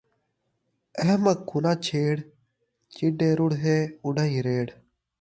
احمق کوں ناں چھیڑ، جیݙے رڑھے اُݙاہیں ریڑھ